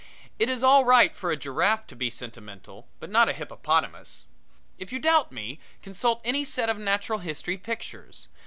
It is all right for a giraffe to be sentimental, but not a hippopotamus. If you doubt me consult any set of natural history pictures.